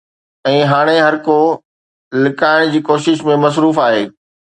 ۽ هاڻي هرڪو لڪائڻ جي ڪوشش ۾ مصروف آهي